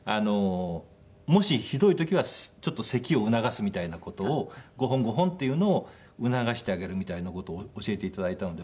もしひどい時はちょっとせきを促すみたいな事をゴホンゴホンっていうのを促してあげるみたいな事を教えて頂いたので。